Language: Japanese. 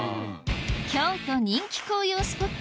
京都人気紅葉スポット